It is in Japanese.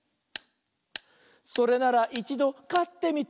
「それならいちどかってみたい」